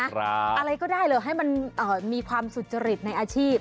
อะไรก็ได้เหรอให้มันมีความสุจริตในอาชีพ